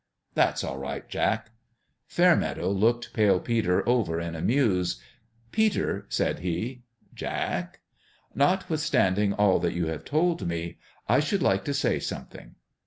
" That's all right, Jack." Fairmeadow looked Pale Peter over in a muse. "Peter!" said he. "Jack?" " Notwithstanding all that you have told me, I should like to say something."